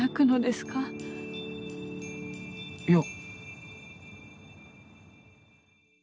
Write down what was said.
いや。